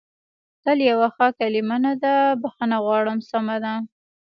تل یوه ښه کلمه نه ده، بخښنه غواړم، سمه ده.